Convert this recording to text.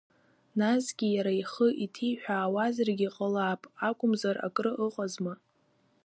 Насгьы, иара ихы иҭиҳәаауазаргьы ҟалап, акәымзар акры ыҟазма?